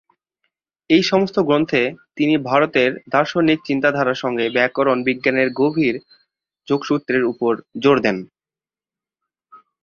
এই সমস্ত গ্রন্থে তিনি ভারতের দার্শনিক চিন্তাধারার সঙ্গে ব্যাকরণ বিজ্ঞানের গভীর যোগসূত্রের ওপর জোর দেন।